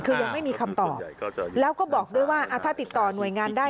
คือยังไม่มีคำตอบแล้วก็บอกด้วยว่าถ้าติดต่อหน่วยงานได้